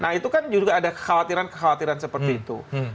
nah itu kan juga ada kekhawatiran kekhawatiran seperti itu